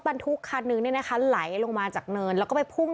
บรรทุกคันนึงเนี่ยนะคะไหลลงมาจากเนินแล้วก็ไปพุ่ง